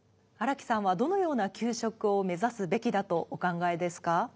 荒木さんはどのような給食を目指すべきだとお考えですか？